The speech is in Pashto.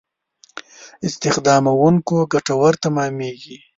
استخداموونکو ګټور تمامېږي.